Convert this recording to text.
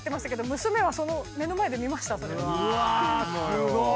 すごい。